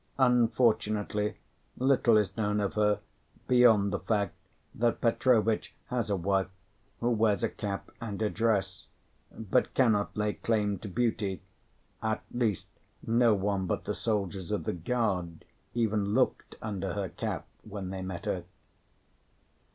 Unfortunately, little is known of her beyond the fact that Petrovitch has a wife, who wears a cap and a dress; but cannot lay claim to beauty, at least, no one but the soldiers of the guard even looked under her cap when they met her.